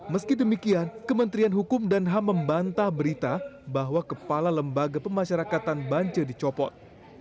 meski demikian kementerian hukum dan ham membantah berita bahwa kepala lembaga pemasyarakatan banjir dicopot